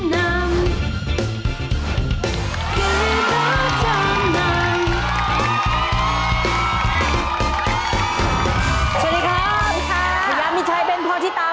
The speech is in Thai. อย่างไม่ใช่เป็นเพราะที่ตาม